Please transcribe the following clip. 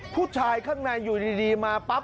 ข้างในอยู่ดีมาปั๊บ